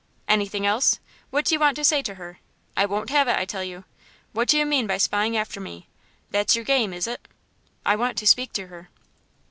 "Anything else? What do you want to say to her? I won't have it, I tell you.... What do you mean by spying after me? That's your game, is it?" "I want to speak to her."